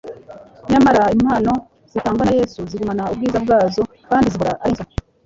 Nyamara, impano zitangwa na Yesu zigumana ubwiza bwazo kandi zihora ari nshya.